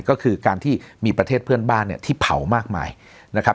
ก็คือการที่มีประเทศเพื่อนบ้านเนี่ยที่เผามากมายนะครับ